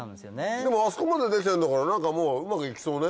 でもあそこまでできてんだからもううまく行きそうね？